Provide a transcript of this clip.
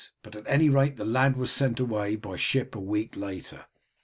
But at any rate the lad was sent away by a ship a week later.